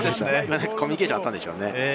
何かコミュニケーションがあったのでしょう。